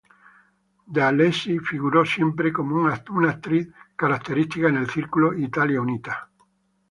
Dealessi figuró siempre como una actriz característica en el Círculo "Italia Unita".